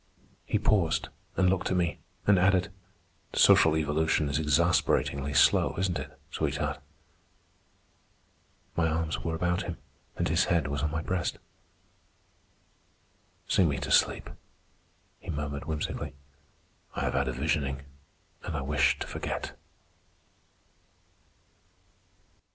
He paused and looked at me, and added: "Social evolution is exasperatingly slow, isn't it, sweetheart?" My arms were about him, and his head was on my breast. "Sing me to sleep," he murmured whimsically. "I have had a visioning, and I wish to forget."